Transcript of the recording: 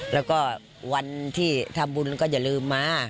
แล้วก็วันที่ทำบุญก็อย่าลืมมา